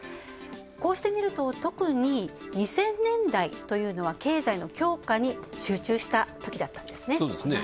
こうしてみると、特に２０００年代というのは経済の強化に集中したときだったんですね。